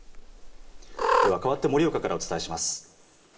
ではかわって盛岡からお伝えします。